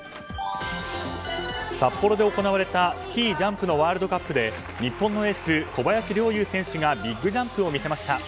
札幌で行われたスキージャンプのワールドカップで日本のエース小林陵侑選手がビッグジャンプを見せました。